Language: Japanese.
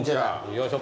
よいしょ。